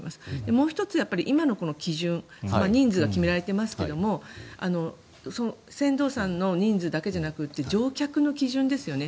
もう１つ、今の基準人数は決められていますが船頭さんの人数だけじゃなくて乗客の基準ですよね。